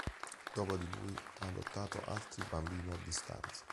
Dopo di lui, ha adottato altri bambini a distanza.